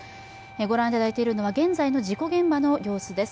ご覧いただているのは、現在の事故現場の様子です。